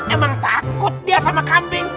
emang takut dia sama kambing